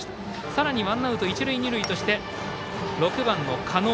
さらにワンアウト一塁二塁として６番、狩野。